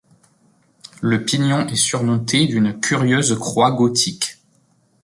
Le pignon est surmonté d'une curieuse croix gothique.